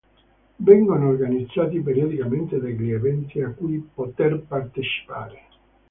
Vengono organizzati periodicamente degli eventi a cui poter partecipare.